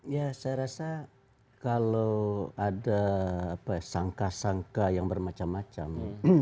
ya saya rasa kalau ada sangka sangka yang bermacam macam